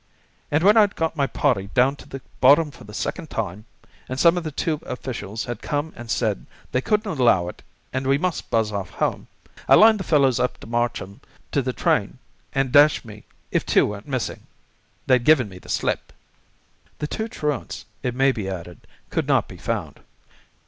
_ And when I'd got my party down to the bottom for the second time, and some of the tube officials had come and said they couldn't allow it and we must buzz off home, I lined the fellows up to march 'em to the train, and dash me if two weren't missing. They'd given me the slip." The two truants, it may be added, could not be found.